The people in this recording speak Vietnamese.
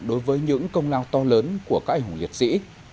đối với những công lao to lớn của các anh hùng liệt sĩ